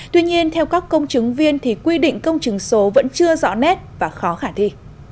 tuy nhiên theo các công chứng viên thì quy định công chứng số vẫn chưa rõ nét và khó khả thi